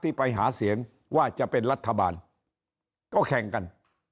ไปหาเสียงว่าจะเป็นรัฐบาลก็แข่งกัน